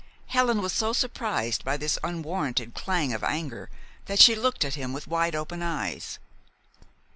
Helen was so surprised by this unwarranted clang of anger that she looked at him with wide open eyes.